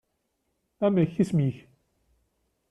Amek isem-k?